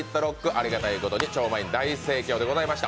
ありがたいことに超満員で大盛況でございました。